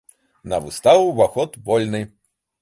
На выставу ўваход вольны.